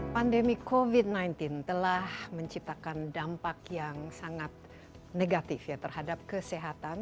pandemi covid sembilan belas telah menciptakan dampak yang sangat negatif terhadap kesehatan